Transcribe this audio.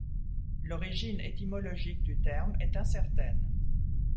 L'origine étymologique du terme est incertaine.